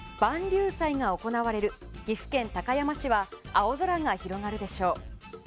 隆祭が行われる岐阜県高山市は青空が広がるでしょう。